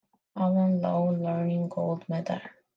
Alwin Lau-Running-Gold medal.